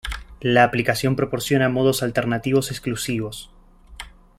La aplicación proporciona modos alternativos exclusivos.